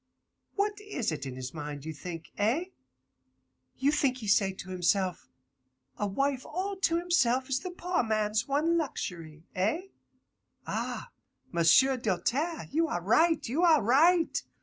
What is it in his mind, you think? Eh? You think he say to himself, A wife all to himself is the poor man's one luxury? Eh? Ah, M'sieu' Doltaire, you are right, you are right.